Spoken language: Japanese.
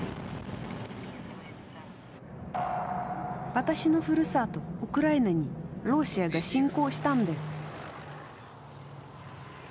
私のふるさと、ウクライナにロシアが侵攻したんです。